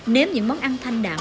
nếm những món ăn thanh đạm